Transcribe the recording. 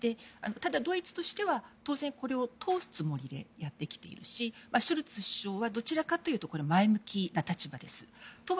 ただ、ドイツとしては当然これを通すつもりでやってきているしショルツ首相はどちらかというと前向きな立場です。